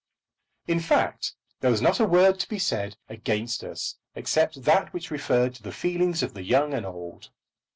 In fact, there was not a word to be said against us except that which referred to the feelings of the young and old.